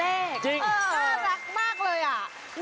อายุเป็นเพียงตัวแรกมากเลยอ่ะจริง